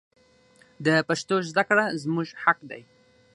د پښتو زده کړه زموږ حق دی.